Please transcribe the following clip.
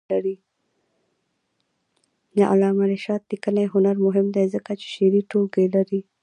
د علامه رشاد لیکنی هنر مهم دی ځکه چې شعري ټولګې لري.